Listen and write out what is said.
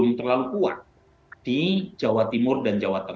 amel starting point selanjutnya adalah kedaulatan variananting